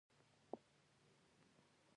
دا ده چې هغه شیان ایسته وغورځوه